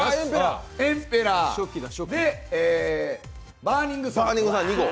エンペラーでで、バーニングサン。